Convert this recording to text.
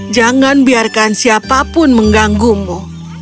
jangan biarkan siapapun mengganggumu